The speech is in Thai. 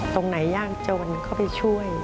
ตรงไหนย่านโจรก็ไปช่วย